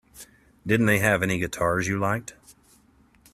Didn't they have any guitars you liked?